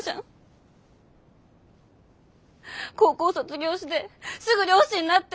高校卒業してすぐ漁師になって。